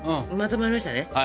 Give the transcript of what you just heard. まとまりましたね。